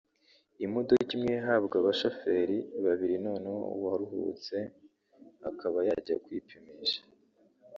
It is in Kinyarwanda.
imodoka imwe yahabwa abashoferi babiri noneho uwaruhutse akaba yajya kwipimisha”